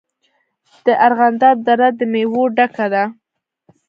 د ارغنداب دره د میوو ډکه ده.